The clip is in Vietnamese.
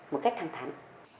một cách thăng thẳng